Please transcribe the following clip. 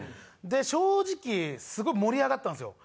正直すごい盛り上がったんですよ。